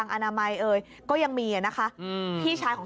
เพราะเสคตอยก์